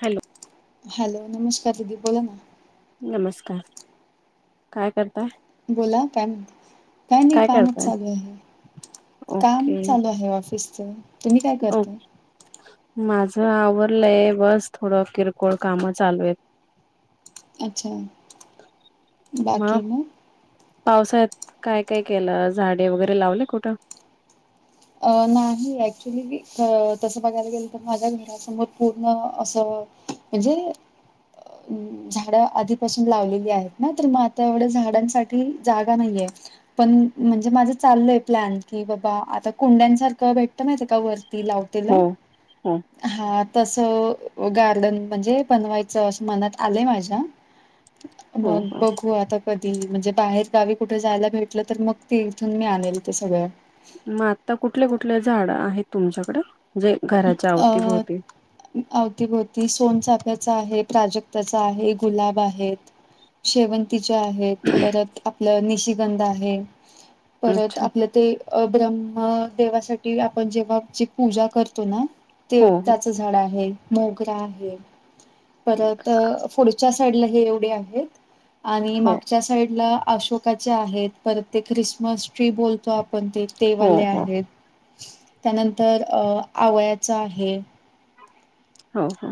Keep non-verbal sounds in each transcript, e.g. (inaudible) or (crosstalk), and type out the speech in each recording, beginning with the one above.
Hello hello नमस्कार दिदीप बोला ना नमस्कार काय करताय बोला काय काय नाही कामच चालू आहे काम ओके चालू आहे ऑफिसचं तुम्ही काय ओ करता माझं आवरडलंय बस थोडं किरकोळ काम चालू आहेत अच्छा बाकी म पावसा्यात काय काय केलं झाडे वगैरे लावले कुठं अ नाही ऍक्च्युअली तसं बघायला गेलं तर माझ्या घराात पूर्ण असं म्हणजे अ झाड आधीपासून लावलेली आहेत ना तर मग आता एवढ्या झाडांसाठी जागा नाहीये पण म्हणजे माझं चाललय प्लॅन की बाबा आता कुंड्यांसारखं भेटत माहििते का वरती लाव हो हो हा त गार्डन म्हणजे बनवायच अस मनात आलंय माझ्या हो मग हो बघू आता कधी म्हणजे बाहेर गावी कुठे जायला भेटलं तर मग ते इथून मी आलेल ते सगळं मग आता कुठले कुठले झाड आहेत तुमच्याकडे जे घराच्या अ अवतीभोवती अवतीभोवती सोनचाफ्याचा आहे प्राजक्ताचा आहे गुलाब आहेत शेवंतीच्या आहेत परत आपलं निशिगंध आहे परत अच्छा आपलं ते ब्रह्म देेवासाठी आपण जेव्हा जी पूजा करतो ना ते हो हो त्याच झाड आहे मोगरा आहे परत पुढच्या साड हे एवढे आहेत आणि हो मागच्या साईड ला अशोक का आहेत परत ते ख्रिसमस ट्री बोलतो आपण ते हो तेवाले हो आहेत त्यानंतर अ आवयाचा आहे हो हो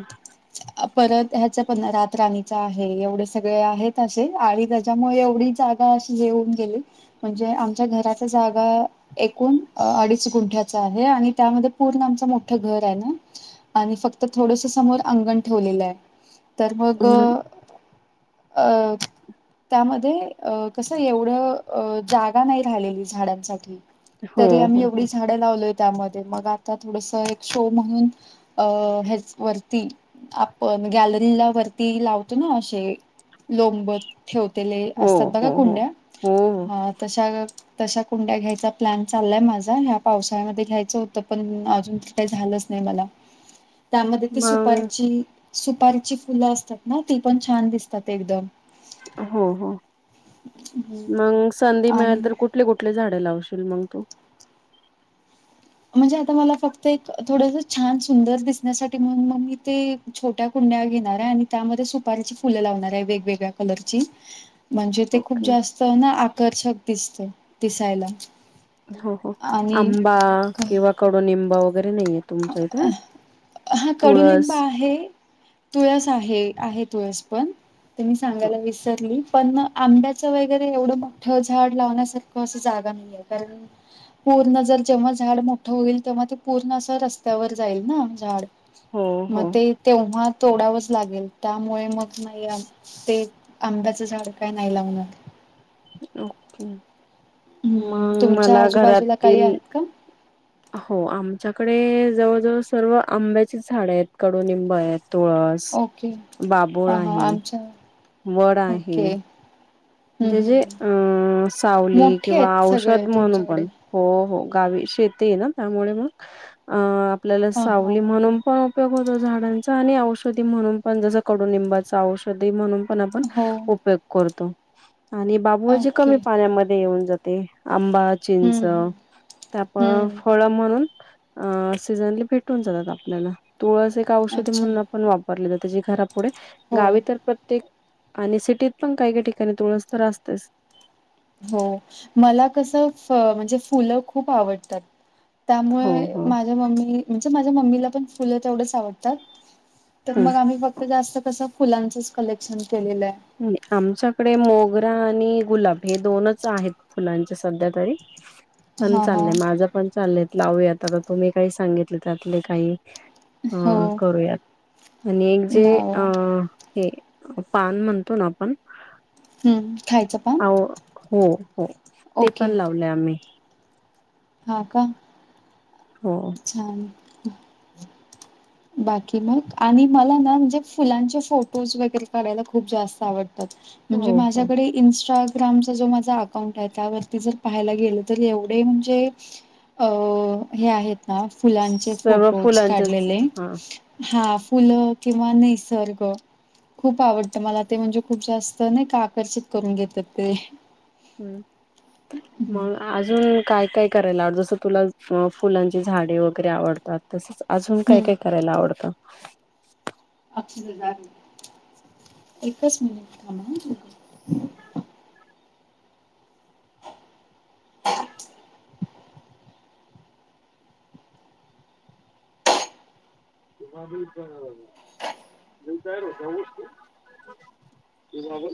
परत ह्याच पण रात राणीच आहे एवढे सगळे आहेत असे आणि त्याच्यामुळे एवढी जाग अशीेऊन गेली म्हणजे आमच्या घराच्या जागा एकूण अडीच गुंठ्याच आहे आणि त्यामध्ये पूर्ण आमचं मोठं घर आहे ना आणि फक्त थोडंस समोर अंगण ठेवलेलं आहे तर मग म्हणजे अ त्यामध्ये अ कसं एवढं जागा नाही राहिलेली झाडांसाठी हो तरी आम्ही हो हो एवढी झा लालोय त्यामध्ये मग आता थोडस एक शो म्हणून अ ह्याच वरती आपण गॅलरी ला वरती लावतो ना असे लोंबत ठेवतेले हो असतात बघा हो हो कुंड्या हो हो. अ तशा तशा कुंड्या घ्यायचा प्लॅन चाललाय माझा ह्या पावसाळ्यामध्ये घ्यायचं होतं पण अजून का झालंच नाही मला त्यामध्ये ती मग सुपारीची सुपारीची फुलं असतात ना ती पण छान दिसतात एकदम हो हो मग संधी मिळेल आणि तर कुठ आपले कुठले झाडे लावशील मग तू म्हणजे आता मला फक्त एक थोडस छान सुंदर दिसण्यासाठी म्हणून मग मी ते छोट्या कुंड्या घेणार आहे आणि त्यामध्ये सुपारीची फुलं लावणार आहे वेगवेगळ्या कलरची (inaudible) म्हणजे ते खूप ओके जास्त ना आकर्षक दिसत दिसायला हो हो आणि आंबा किंवा कडो नििंबा वगैरे नाही आहेतेत हा कडुलिंबा आहे तुळस आहे आहे तुळस पण ते मी हो सांगायला विसरली पण आंब्याचं वगैरे एवढं मोठ झाड लावण्यासारख असं जागा नाही आहे कारण पूर्ण जर जेव्हा झाड मोठं होईल तेव्हा ते पूर्ण रस्त्यावर जाईल ना झाड हो मग ते तेव्हा तोडावंच लागेल त्यामुळे मग नाही ते आंब्याचं झाड काय नाही लावणार ओके मग मला घरातील क हो आमच्याकडे जवळजवळ सर्व आंब्याची झाड आहेत कडुनिंब आहेत तुळस ओके ह बाबोळ हा आहे आमच्या वड आहे ओके हम्म जे जे हम् अं सावली मोठे किंवा आहेत औषध सगळे म्हणून तुमच्याकडे पण हो हो गावी शती आहे ना त्यामुळे मग अ आपल्याला हा हा सावली म्हणून पण उपयग होो झाडांचा आणि औषधी म्हणून पण जस कडुनिंबाचं औषध म्हणून पण आपण हो उपयोग करतो आणि बाबूळज ओके कमी पाण्यामध्ये येऊन जात ते आंबा चिंच हम्म हम्म त्याप हम्म फळ म्हणून अ सीजनली भेटून जातात आपल्याला तुळस एक औषधी अच्छा म्हणून आपण वापरले जात त्याची घराब पुढे हो गावी तर प्रत्येक आणि सिटीत पण काही काही ठिकाणी तुळस तर असतेच हो मला कसं म्हणजे फुलं खूप आवडतात हो त्यामुळे हो माझ्या मम्मी म्हणजे माझ्या मम्मीला पण फुलं तेवढच आवडतात तर मग हम्म आम्ही फक्त जास्त कसं फुलांचंच कलेक्शन केलेलं आहे आमच्याकडे मोगरा आणि गुलाब हे दोनच आहेत फुलांचे सध्या तरी पण हा हा चाललंय माझं पण चालय लावूया आता तुम्ही काही सांगितले त्यातले काही अ हो करूयात आणि एक जे अ लावा हे पान म्हणतं तो ना आपण हम् खायचं पान आ हो हो, ते ओके पण लावलंय आम्ही. हा का! हो छान! (inaudible) बाकी मग, आणि मला ना म्हणजे फुलांचे फोटोज वगैरे काढायला खूप जास्त आवडतं. अच्छा! म्हणजे हो हो माझ्याकडे इन्स्टाग्रामच जो माझा अकाउंट आहे त्यावरती जर पाहायला गेलं तर एवढे म्हणजे अ हे आहेत ना फुलांचे सर्व फोटोज फुलांचेच काढलेले. हा हा फुलं किंवा निसर्ग. खूप आवडत मला ते म्हणजे खूप जास्त नाही का आकर्षित करून घेत ते. हम् मग हम्म अजून काय काय करायला आवडतं जसं तुला फुलांची झाडे वगैरे आवडतात? तसंच अजून काय काय करायला आवडतं? अक्षदा जा की, एकच मिनिटं थांबा हा एकच मिनिटं. (unintelligible) (inaudible) रिटायर होतोय ना तु?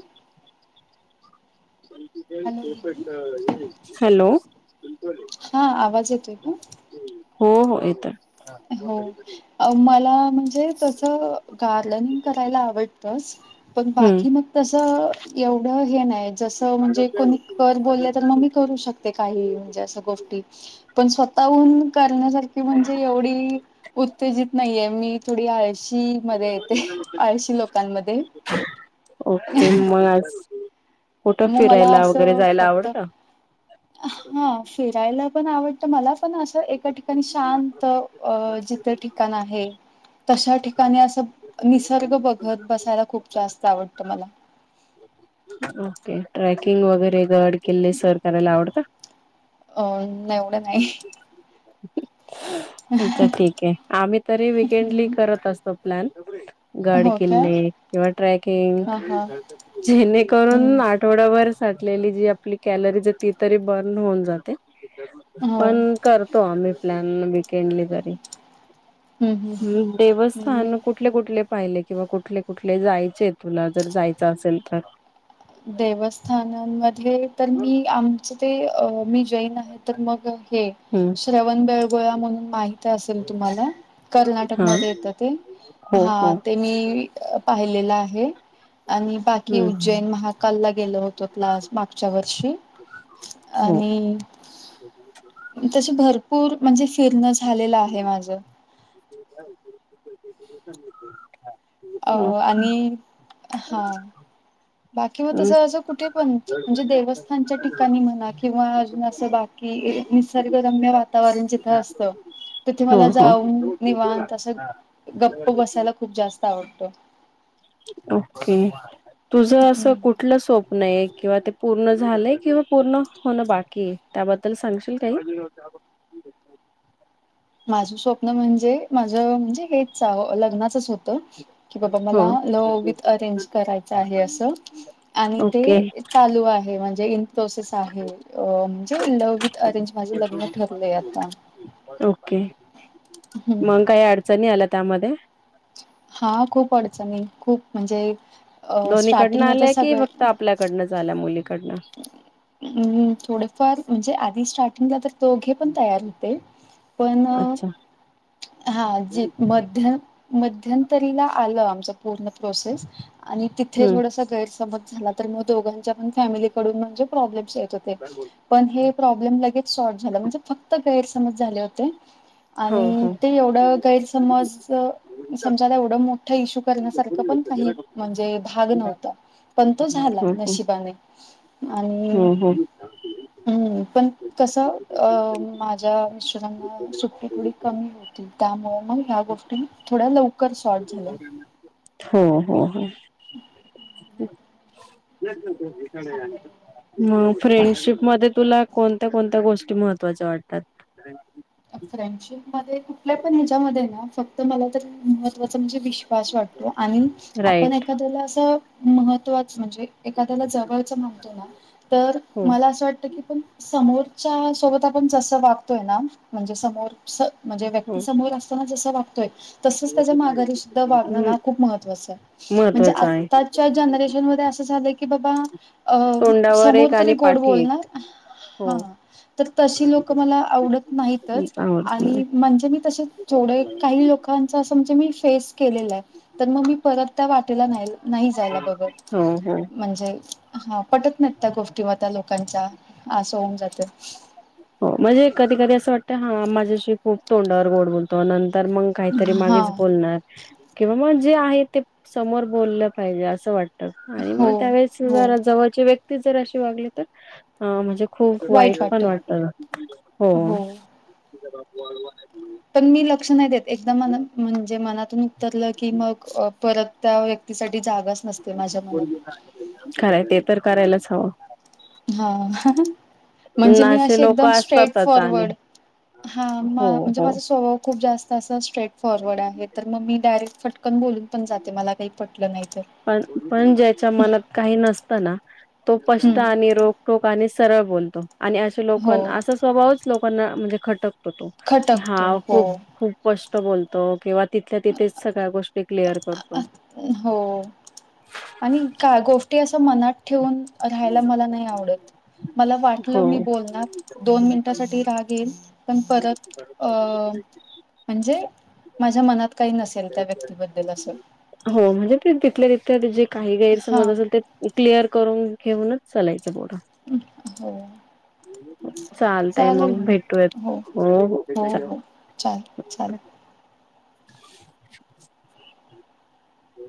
हॅलो दीदी (unintelligible) हॅलो! (unintelligible) हा आवाज येतोय का? हो हो येतोय. हो मला म्हणजे तसं गार्डन करायला आवडतचं, पण हम्म बाकी मग तसं एवढं हे नाही. जसं म्हणजे कोणी कर बोलले तर मग मी करू शकते काही म्हणजे असं गोष्ट टी, पण स्वतःहून करण्यासारखी म्हणजे एवढी उत्तेजित नाहीये मी थोडी आळशी मध्ये येते, आळशी लोकांमध्ये. ओके मग आज कुठं मग मला फिरायला वगैरे असं जायला फक्त, आवडतं हा फिरायला पण आवडतं, तर मला पण असं एका ठिकाणी शांत, अ जिथं ठिकाण आहे, तशा ठिकाणी असं, निसर्ग बघत बसायला खूप जास्त आवडत मला. ओके! ट्रॅकिंग वगैरे गड किल्ले सर करायला आवडत? अ एवढं नाही. अच्छा ठीक ये, आम्ही तरी विकेंडली हं. करतं असतो प्लॅन, गड हो काय? किल्ले किंवा ट्रॅकिंग, हां, हां. हं. जेणेकरून आठवडाबर साठलेली जी आपली कॅलरीज ती तरी बर्न होऊन जाते. हो. पण करतो आम्ही प्लॅन, किल्ले गड तरी, हं, हं, हं. मी देवस्थान कुठं कुठले पाहिले किंवा कुठले कुठले जायचेत तुला जर जायचं असेल तर? देवस्थानामध्ये तर मी आमचं ते अ मी जैन आहे, तर मग हे, तर श्रवण बेळगोळा म्हणून माहि ती असेल तुम्हाला कर्नाटक हा मध्ये येतं ते! हो हा हो ते मी पाहिलेलं आहे, आणि बाकी हम्म उज्जैन महा कालला गेलो होतो क्लास मागच्या वर्षी हो आणि तस भरपूर म्हणजे फिरणं झालेलं आहे माझं. (unintelligible) अ ओके आणि हा बाकी मग हम्म, तसं असं कुठे पण. म्हणजे देवस्थानच्या ठिकाणी म्हणा किंवा अजून असं बाकी निसर्गरम्य वातावरण जिथं अस. (unintelligible) तिथे हो मला हो जाऊन निवत असं गप्प बसायला खूप जास्त आवडतो. तुझ अस हम्म. कुठ. कुठ स्वप्न आहे किंवा ते पूर्ण झालंय किंवा पूर्ण होण बाकी त्याबद्ल. त्याला सांगशील काय. माझं स्वप्न म्हणजे माझं म्हणजे हेच लग्नाचच होत. की बाबा मला हो ल विथ अरेंज करायचं आहे असं. आणि ते ओके चालू आहे म्हणजे इ प्रोसेस आहे अ म्हणजे लव्ह विथ अरेंज माझं लग्न ठरलंय आता. ओके हम्म. मग काही अडचणी आल्या त्यामध्ये. हा खूप अडचणी खूप म्हणजे अ दोन्ही कडनं स्टार्टिंगला तर आल्या की सगळे फक्त आपल्याकडनंच आल्या मुलीकडनं. हम्म थोडेफार म्हणजे आधी स्टार्टिंगला तर दोघे पण तयार होते पण. अच्छा हा ज मध्य मध्यंतरीला आलं आमच पूर्ण प्रोसेस आणि तिथे हम्म थोडासा गैरसमज झाला तर मग दोघांच्या पण फॅमिलीकडून म्हणजे प्रॉब्लेम्स आहेत. पण हे प्रॉब्लेम लगेच सॉर्ट झाला कारण फक्त गैरसमज होते. हो आणि हो ते एवढं गैरसमज समजा आता एवढं मोठ इशू. करण्यासारख पण काही म्हणजे भाग नव्हता पण तो झाला नशिबाने. आणि हम्म हम्म. हम्म पण कसं अ माझ्या मिस्टरांना सुट्टी थोडी कमी होती. त्यामुळे मग ह्या गोष्टी थोड्या लवकर शॉर्ट झाल्या. हो हो हो. (inaudible) ह्या गोष्टी मला खूप जास्त सांगायला मग लागल्या. फ्रेंडशिप मध्ये तुला कोणत्या कोणत्या गोष्टी महत्त्वाच्या वाटतात? फ्रेंडशिप मध्ये कुठल्या पण ह्याच्यामध्ये ना फक्त मला तर महत्त्वाचं म्हणजे विश. वाटतो आणि आपण राईट एखाद्याला असं महत्वाच म्हणजे एखाद्याला जवळचं म्हणतो ना तर हो मला असं वाटतं की समोरच्या सोबत आपण जसं वागतोय ना म्हणजे समोर म्हणजे हो व्यक्ती समोर असताना जसं वागतोय. तसच त्याच्या माघारी सुद्धा वागणं ना खूप महत्त्वाचं आहे म्हणजे महत्वाचं आहे. आता जनरेशन मधे असं झालं की बाबा अ तोंडावर समोर एक आणि तरी गोड पाठी एक. बोलणार. हो. हा तर तशी लोक मला आवडत नाहीतच आवडत नाही आणि म्हणजे मी तसे जवढे काही लोकां णजे मी फेस केलेलाय मग मी परत त्या वाटेला नाही. नाही जायला बघत हो हो. म्हणजे हा पटत नाही त्या गोष्टी म त्या लोकांचा. आस होऊन जात. हो म्हणजे कधी कधी असं वाटतं हा माझ्याशी खूप तोंडावर गोड बोलतो नंतर मग. काहीतरी मागेच हां, बोलणार किंवा मग जे आहे ते समोर बोललं पाहिजे असं वाट आणि हो, मग त्यावेळेस हो, जरा जवळची व्यक्ती जर अशी वागली तर म्हणजे. खूप वाईट पण वाटत हो. पण मी लक्ष नाही देत एकदा मनात म्हणजे मनातून उतरलं की मग परत त्या व्यक्तीसाठी जागाच नसते माझ्या मनात. खरय ते तर करायलाच हवं. हा म्हणजे मी असे लोक एकदम स्ट्रेट असतातच फॉरवर्ड. आणि हा हो म्हणजे हो माझं स्वभाव खूप जास्त असं स्ट्रेट फॉरवर्ड आहे तर मग मी डायरेक्ट फटकन बोलून पण जाते मला काही पटलं नाही तर. पण पण ज्याच्या मनात काही नसत ना तो पष्ट हम्म आणि रोग टोक आणि सरळ बोलतो आणि असे लोक हो असा स्वभावच लोकांना म्हणजे खटक की हा खटकतो हो खूप खूप स्पष्ट बोलतो किंवा तिथल्या तिथेच सगळ्या गोष्टी क्लिअर अ, करतो. हो आणि का गोष्टी असं मनात ठेवून राहायला मला नाही आवडत मला वाटलं हो मी बोलणार. दोन मिनिटांसाठी राग येईल पण परत अ म्हणजे माझ्या मनात काही नसेल त्या व्यक्तीबद्दल असं. हो म्हणजे ते तिथल्या तिथे जे काही हा गैरसमज असेल ते क्लिअर करून घेऊनच चलायचं पुढं. हो चालल मग हो हो हो चाल चालेल. हो